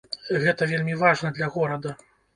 Гэта вельмі важна для горада.